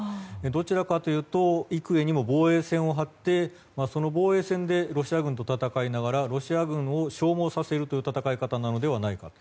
どちらかというと幾重にも防衛線を張ってその防衛線でロシア軍と戦いながらロシア軍を消耗させるという戦い方なのではないか。